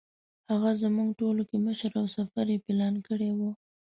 هغه زموږ ټولو کې مشر او سفر یې پلان کړی و.